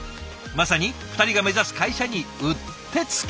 まさに２人が目指す会社にうってつけ。